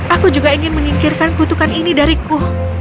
aku juga ingin menyingkirkan kutukan ini dariku